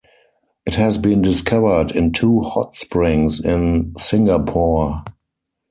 It has been discovered in two hot springs in Singapore.